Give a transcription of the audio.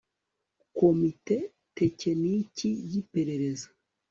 komite tekiniki y iperereza